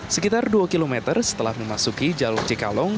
sekitar dua km setelah memasuki jalur cikalong